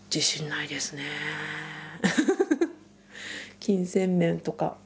金銭面とか。